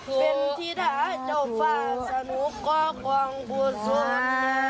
เป็นที่ดาเจ้าฟ้าสนุกก็ควางพุทธสน